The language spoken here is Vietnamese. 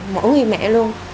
mỗi người mẹ luôn